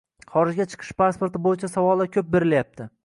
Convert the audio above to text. xorijga chiqish pasporti bo‘yicha savollar ko‘p berilyapti.